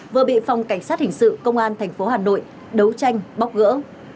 vừa bị phòng cảnh sát hình sự công an thành phố hà nội đấu tranh bóc gỡ